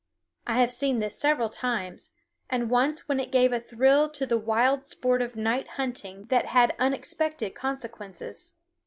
I have seen this several times, and once when it gave a thrill to the wild sport of night hunting that had unexpected consequences.